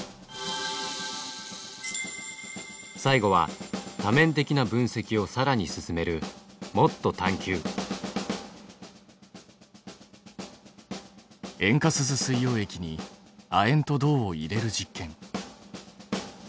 最後は多面的な分析をさらに進める塩化スズ水溶液に亜鉛と銅を入れる実験。